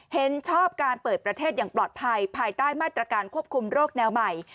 เห็นชอบการเปิดประเทศอย่างปลอดภัยภายใต้มาตรการควบคุมโรคแนวใหม่